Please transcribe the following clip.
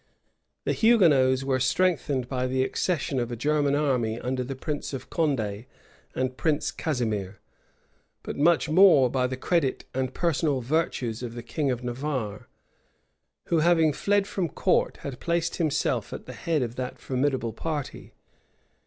{1576.} The Hugonots were strengthened by the accession of a German army under the prince of Condé and Prince Casimir; but much more by the credit and personal virtues of the king of Navarre, who, having fled from court, had placed himself at the head of that formidable party.